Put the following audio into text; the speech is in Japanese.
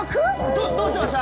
どどうしました？